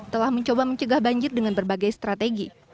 telah mencoba mencegah banjir dengan berbagai strategi